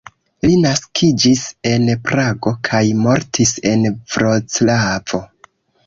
Li naskiĝis en Prago kaj mortis en Vroclavo.